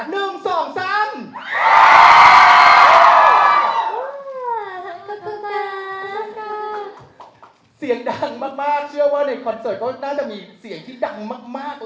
ว้าวขอบคุณค่ะ